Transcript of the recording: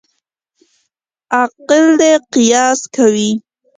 عاقل دي قیاس کوي.